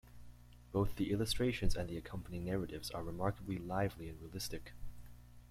Both the illustrations and the accompanying narratives are remarkably lively and realistic.